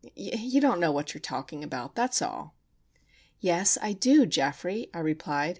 You don't know what you are talking about,—that's all." "Yes, I do, Geoffrey," I replied.